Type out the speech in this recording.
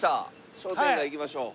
商店街行きましょう。